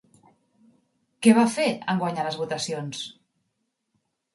Què va fer en guanyar les votacions?